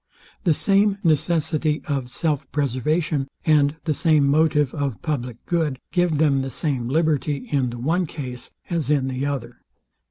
The same necessity of self preservation, and the same motive of public good, give them the same liberty in the one case as in the other.